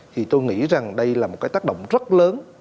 thì tôi nghĩ rằng đây là một cái tác động rất lớn